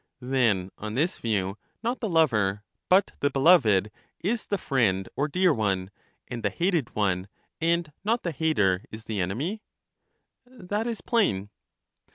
Then on this view, not the lover, but the beloved, is the friend or dear one ; and the hated one, and not the hater, is the enemy? That is plain.